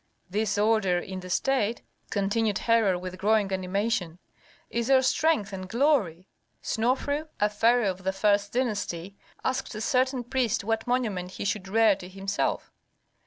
"This order in the state," continued Herhor, with growing animation, "is our strength and glory. Snofru, a pharaoh of the first dynasty, asked a certain priest what monument he should rear to himself.